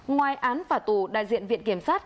ngoài án phả tù đại diện viện kiểm sát